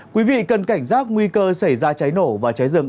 quý vị cần cảnh giác nguy cơ xảy ra cháy nổ và cháy rừng